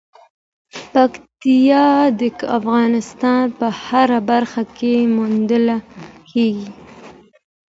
پکتیا د افغانستان په هره برخه کې موندل کېږي.